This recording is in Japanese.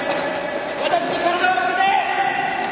私に体を預けて！